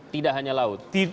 tidak hanya laut